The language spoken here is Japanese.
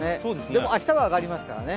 でも、明日は上がりますからね。